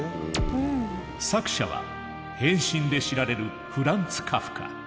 作者は「変身」で知られるフランツ・カフカ。